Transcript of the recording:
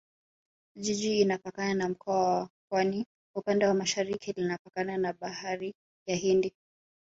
Jiji linapakana na Mkoa wa Pwani upande wa Mashariki linapakana na Bahari ya Hindi